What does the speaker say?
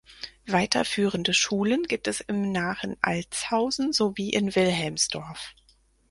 Weiterführende Schulen gibt es im nahen Altshausen sowie in Wilhelmsdorf.